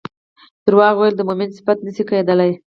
دروغ ويل د مؤمن صفت نه شي کيدلی